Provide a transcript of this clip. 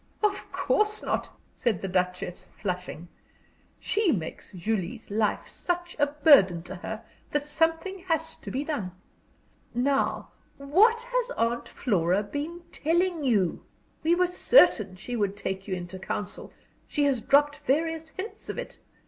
"Of course not," said the Duchess, flushing. "She makes Julie's life such a burden to her that something has to be done. Now what has Aunt Flora been telling you? We were certain she would take you into council she has dropped various hints of it.